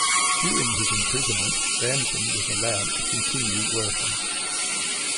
During his imprisonment, Ramzin was allowed to continue working.